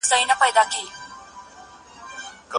د لویې جرګي غونډي ولي په ژوندۍ بڼه خپریږي؟